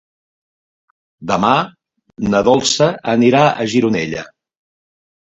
Demà na Dolça anirà a Gironella.